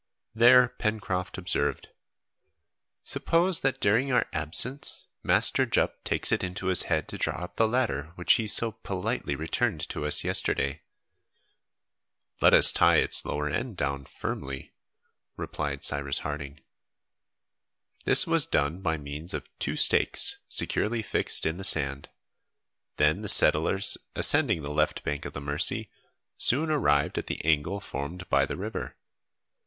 There Pencroft observed, "Suppose, that during our absence, Master Jup takes it into his head to draw up the ladder which he so politely returned to us yesterday?" "Let us tie its lower end down firmly," replied Cyrus Harding. This was done by means of two stakes securely fixed in the sand. Then the settlers, ascending the left bank of the Mercy, soon arrived at the angle formed by the river.